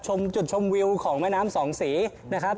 ชมจุดชมวิวของแม่น้ำสองสีนะครับ